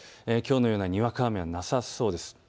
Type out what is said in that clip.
きょうのようなにわか雨はなさそうです。